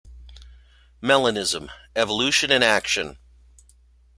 Melanism, Evolution in Action.